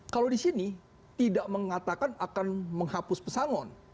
kalau di sini tidak mengatakan akan menghapus pesangon